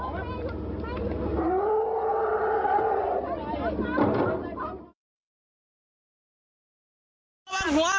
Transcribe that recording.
สวัสดีครับคุณผู้ชาย